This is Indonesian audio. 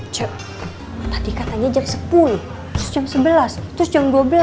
nanti katanya jam sepuluh terus jam sebelas terus jam dua belas